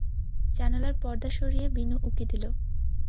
জানালার পর্দা সরিয়ে বিনু উঁকি দিল।